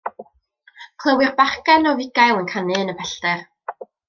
Clywir bachgen o fugail yn canu yn y pellter.